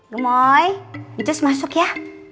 gemoy bekerja masuk ya